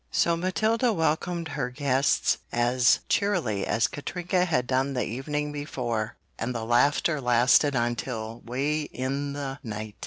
So Matilda welcomed her guests as cheerily as Katrinka had done the evening before and the laughter lasted until 'way in the night.